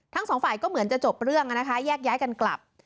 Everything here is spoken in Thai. ทั้งสองฝ่ายก็เหมือนจะจบเรื่องนะคะแยกย้ายกันกลับ